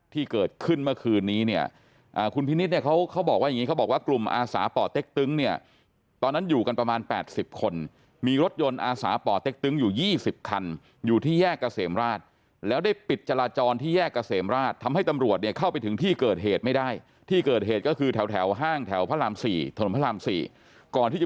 ที่เกิดขึ้นเมื่อคืนนี้เนี่ยคุณพินิษฐ์เนี่ยเขาเขาบอกว่าอย่างนี้เขาบอกว่ากลุ่มอาสาป่อเต็กตึงเนี่ยตอนนั้นอยู่กันประมาณ๘๐คนมีรถยนต์อาสาป่อเต็กตึงอยู่๒๐คันอยู่ที่แยกเกษมราชแล้วได้ปิดจราจรที่แยกเกษมราชทำให้ตำรวจเนี่ยเข้าไปถึงที่เกิดเหตุไม่ได้ที่เกิดเหตุก็คือแถวห้างแถวพระราม๔ถนนพระราม๔ก่อนที่จะ